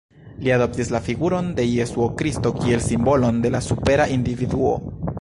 Li adoptis la figuron de Jesuo Kristo kiel simbolon de la supera individuo.